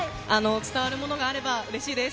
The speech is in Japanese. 伝わるものがあればうれしいです。